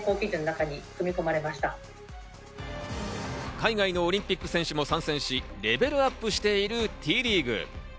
海外のオリンピック選手も参戦し、レベルアップしているＴリーグ。